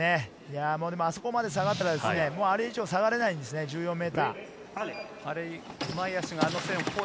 あそこまで下がったら、あれ以上、下がれないんです、１４ｍ。